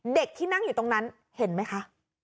เด็กที่นั่งอยู่ตรงนั้นเห็นไหมคะ